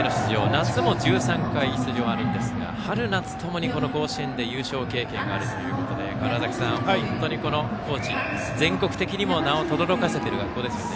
夏も１３回出場あるんですが春夏ともに甲子園で優勝経験があるということで川原崎さん、本当に高知は全国的にも名をとどろかせている学校です。